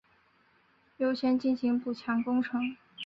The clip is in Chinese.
优先进行补强工程